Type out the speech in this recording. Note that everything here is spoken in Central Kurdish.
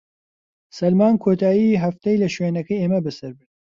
سەلمان کۆتاییی هەفتەی لە شوێنەکەی ئێمە بەسەر برد.